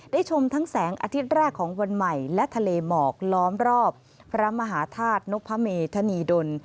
ชมทั้งแสงอาทิตย์แรกของวันใหม่และทะเลหมอกล้อมรอบพระมหาธาตุนพเมธนีดล